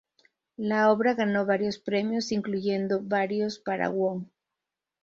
La obra ganó varios premios, incluyendo varios para Wong.